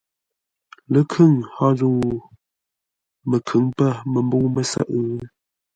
Ləkhʉŋ hó zə̂u? Məkhʉŋ pə̂ məmbə̂u mə́sə́ʼə́?